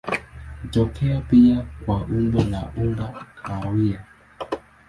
Hutokea pia kwa umbo la unga kahawia.